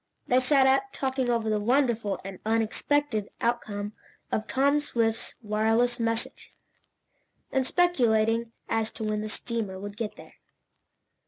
They sat up, talking over the wonderful and unexpected outcome of Tom Swift's wireless message, and speculating as to when the steamer would get there.